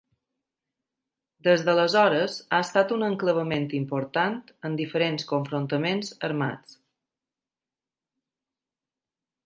Des d'aleshores, ha estat un enclavament important en diferents confrontaments armats.